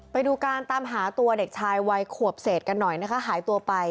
ไปดูการตามหาตัวเด็กชายวัยขวบเศษกันหน่อยนะคะหายตัวไป